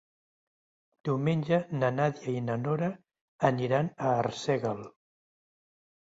Diumenge na Nàdia i na Nora aniran a Arsèguel.